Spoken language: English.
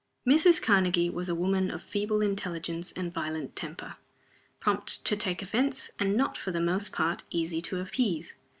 MRS. KARNEGIE was a woman of feeble intelligence and violent temper; prompt to take offense, and not, for the most part, easy to appease.